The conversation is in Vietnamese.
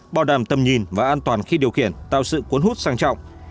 bảo đảm tầm nhìn và an toàn khi điều khiển tạo sự cuốn hút sang trọng